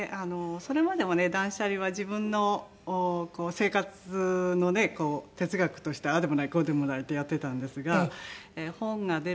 それまでもね断捨離は自分の生活のね哲学としてああでもないこうでもないってやってたんですが本が出る事によってね